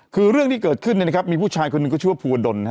คือเรื่องที่เกิดขึ้นเนี่ยนะครับมีผู้ชายคนหนึ่งก็ชื่อว่าภูวดล